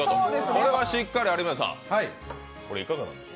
これはしっかり有宗さん、いかがなものですか？